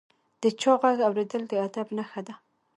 د چا ږغ اورېدل د ادب نښه ده.